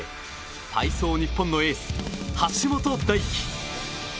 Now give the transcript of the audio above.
体操日本のエース、橋本大輝。